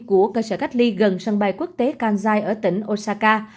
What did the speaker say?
của cơ sở cách ly gần sân bay quốc tế kansai ở tỉnh osaka